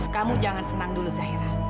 kamu jangan senang dulu sahira